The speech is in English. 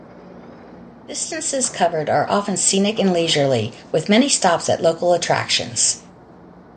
Distances covered are often scenic and leisurely, with many stops at local attractions.